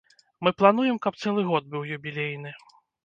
Мы плануем, каб цэлы год быў юбілейны.